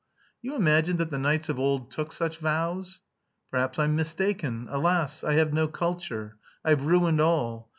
"You imagine that the knights of old took such vows?" "Perhaps I'm mistaken. Alas! I have no culture. I've ruined all.